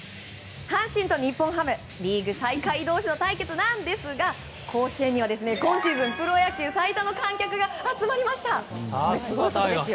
阪神と日本ハムリーグ最下位同士の対決ですが甲子園には今シーズンプロ野球最多の観客が集まりました。